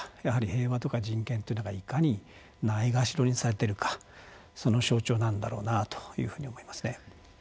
やはり平和とか人権というのがいかにないがしろにされているかその象徴なんだろうなというふうに思いますね。